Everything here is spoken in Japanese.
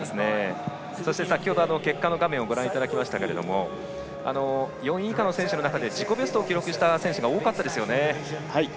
そして先ほど結果の画面をご覧いただきましたが４位以下の選手の中で自己ベストを記録した選手多かったですよね。